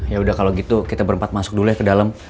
ya udah kalau gitu kita berempat masuk dulu ya ke dalam